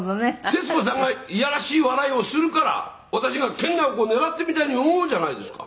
「徹子さんがいやらしい笑いをするから私が研ナオコを狙っているみたいに思うじゃないですか」